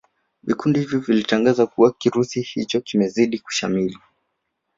vikiundi hivyo vilitangaza kuwa kirusi hicho kimezidi kushamili